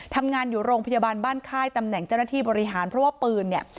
ทำงานอยู่โรงพยาบาลบ้านค่ายตำแหน่งเจ้าหน้าที่บริหารเพราะว่าปืนเนี่ย